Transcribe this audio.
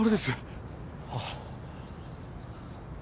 ああ。